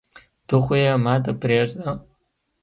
ته خو يي ماته پریږده